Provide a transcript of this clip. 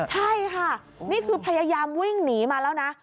ใช่ค่ะนี่คือพยายามวิ่งหนีมาแล้วนะ